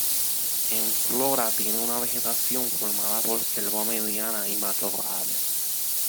En flora tiene una vegetación formada por selva mediana y matorrales.